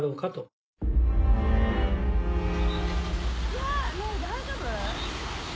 ・うわねぇ大丈夫？